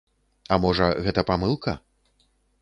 А можа, гэта памылка?